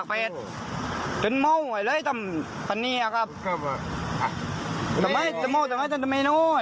คุณผู้ชม